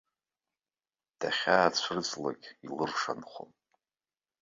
Дахьаацәырҵлак илыршанхон.